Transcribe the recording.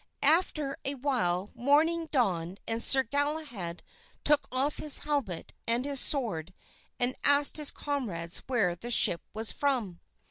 After a while morning dawned and Sir Galahad took off his helmet and his sword and asked his comrades where the ship was from.